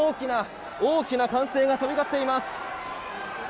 大きな歓声が飛び交っています！